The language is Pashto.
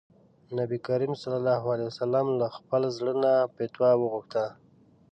نبي کريم ص له خپل زړه نه فتوا وغوښته.